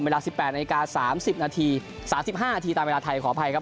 เวลา๑๘นาที๓๐นาที๓๕นาทีตามเวลาไทยขออภัยครับ